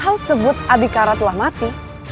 kau sebut habikara telah mati